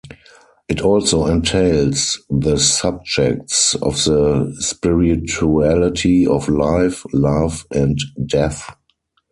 It also entails the subjects of the spirituality of life, love and death.